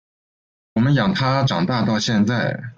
我们养他长大到现在